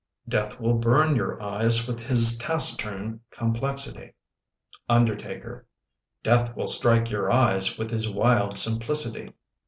Death will burn your eyes With his taciturn complexity. Undertaker Death will strike your eyes With his wild simplicity!